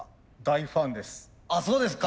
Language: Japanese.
大ファンです。